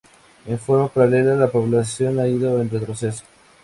En forma paralela, la población ha ido en retroceso.